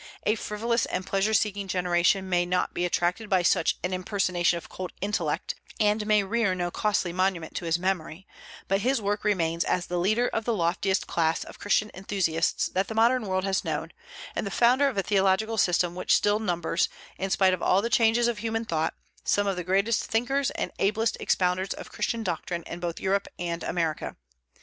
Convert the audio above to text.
A frivolous and pleasure seeking generation may not be attracted by such an impersonation of cold intellect, and may rear no costly monument to his memory; but his work remains as the leader of the loftiest class of Christian enthusiasts that the modern world has known, and the founder of a theological system which still numbers, in spite of all the changes of human thought, some of the greatest thinkers and ablest expounders of Christian doctrine in both Europe and America.